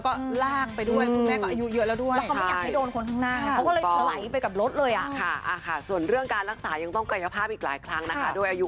ฟังแล้วเรายังงงเลยเนอะ